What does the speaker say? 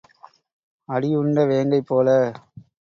அடியுண்ட வேங்கை போல.